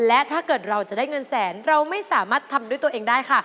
และถ้าเกิดเราจะได้เงินแสนเราไม่สามารถทำด้วยตัวเองได้ค่ะ